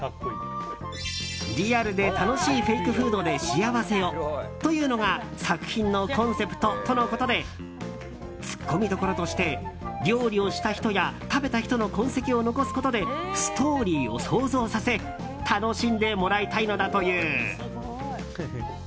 「リアルで楽しいフェイクフードで幸せを」というのが作品のコンセプトとのことでツッコミどころとして料理をした人や食べた人の痕跡を残すことでストーリーを想像させ楽しんでもらいたいのだという。